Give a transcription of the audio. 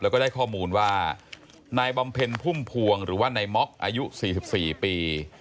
แล้วก็ได้ข้อมูลว่านายบำเพ็ญพุ่มพวงหรือว่านายม็อกอายุ๔๔ปี